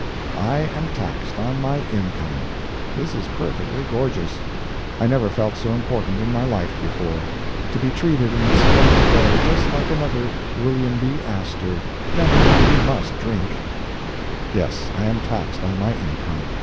I am taxed on my income! This is perfectly gorgeous! I never felt so important in my life before. To be treated in this splendid way, just like another William B. Astor! Gentlemen, we must drink. Yes, I am taxed on my income.